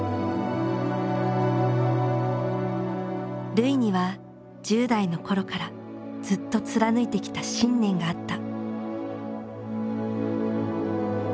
瑠唯には１０代の頃からずっと貫いてきた信念があった。